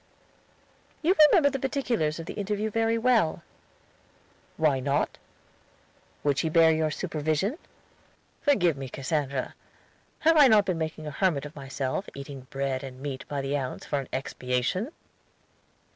"You remember the particulars of the interview very well." "Why not?" "Would she bear your supervision?" "Forgive me, Cassandra. Have I not been making a hermit of myself, eating bread and meat by the ounce, for an expiation?"